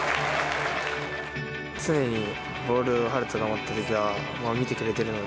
常にボールをはるとが持ったときは、見てくれてるので。